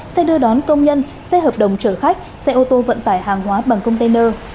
xe đưa đón công nhân xe hợp đồng chở khách xe ô tô vận tải hàng hóa bằng container